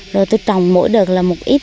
rồi tôi trồng mỗi đợt là một ít